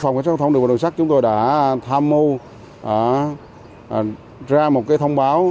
phòng cảnh sát thông đường và đường sắt chúng tôi đã tham mưu ra một thông báo